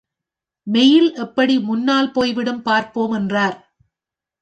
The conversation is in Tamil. மெயில் எப்படி முன்னால் போய்விடும் பார்ப்போம் என்றார்.